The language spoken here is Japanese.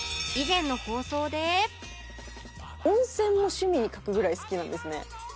温泉も趣味に書くぐらい好きなんですね。